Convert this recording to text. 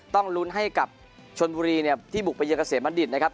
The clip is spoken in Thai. ต้องลุ้นให้กับชนบุรีเนี่ยที่บุกไปเยือเกษมบัณฑิตนะครับ